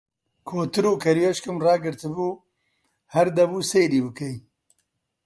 کۆتر و کەروێشکم ڕاگرتبوو، هەر دەبوو سەیری بکەی!